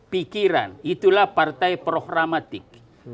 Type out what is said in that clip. pikiran itulah partai prohramatik